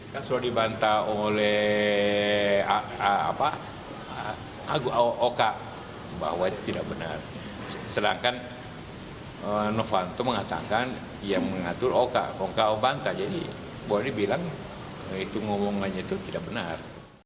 kan sudah dibantah oleh oka bahwa itu tidak benar sedangkan novanto mengatakan yang mengatur oka kongka obantah jadi boleh dibilang itu ngomongannya itu tidak benar